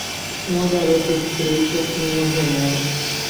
Uma garota espreita em uma janela.